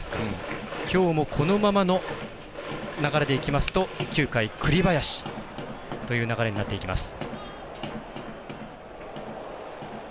きょうもこのままの流れでいきますと９回は栗林という流れになってきます。